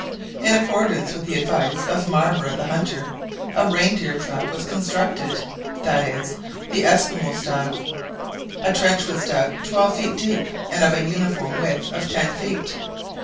In accordance with the advice of Marbre the hunter, a reindeer trap was constructed in the Esquimaux style. A trench was dug twelve feet deep, and of a uniform width of ten feet.